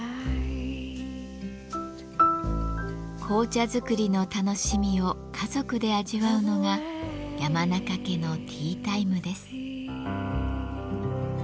紅茶作りの楽しみを家族で味わうのが山中家のティータイムです。